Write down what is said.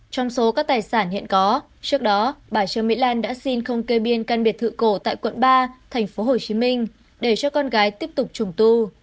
trong số các tài sản hiện có trước đó bà trương mỹ lan đã xin không kê biên căn biệt thự cổ tại quận ba tp hcm để cho con gái tiếp tục trùng tu